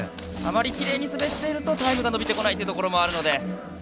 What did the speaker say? あまりきれいに滑っているとタイムが伸びてこないというところもあるので。